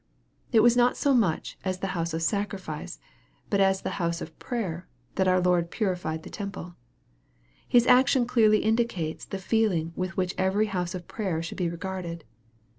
It was not so much as the house of sacrifice, but as the " house of prayer," that our Lord purified the temple. His action clearly indicates the feeling with which every " house of prayer" should be regarded.